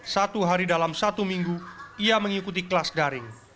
satu hari dalam satu minggu ia mengikuti kelas daring